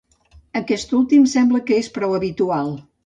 Aquest últim sembla que és prou habitual.